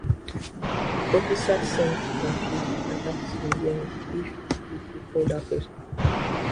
The officer seemed confused and asked Myeni if he could call that person.